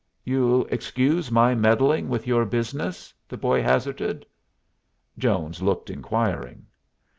"You'll excuse my meddling with your business?" the boy hazarded. Jones looked inquiring.